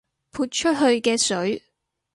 潑出去嘅水